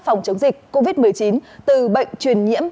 phòng chống dịch covid một mươi chín từ bệnh truyền nhiễm